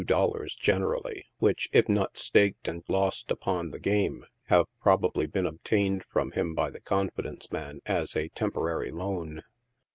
63 dollars, generally, which, if not staked and lost upon the game, have probably been obtained from him by the confidence man, as a '• tem porary loan."